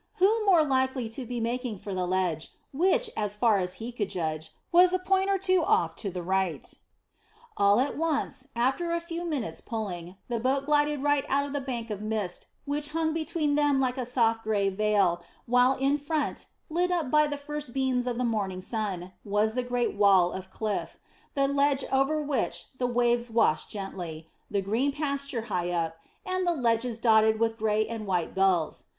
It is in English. Who more likely to be making for the ledge, which, as far as he could judge, was a point or two off to the right. All at once, after a few minutes' pulling, the boat glided right out of the bank of mist which hung between them like a soft grey veil, while in front, lit up by the first beams of the morning sun, was the great wall of cliff, the ledge over which the waves washed gently, the green pasture high up, and the ledges dotted with grey and white gulls.